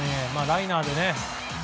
ライナーでね。